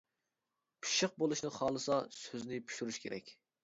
پىششىق بولۇشنى خالىسا، سۆزنى پىشۇرۇش كېرەك.